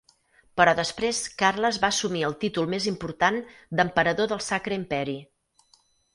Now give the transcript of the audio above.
Però després Carles va assumir el títol més important d'Emperador del Sacre Imperi.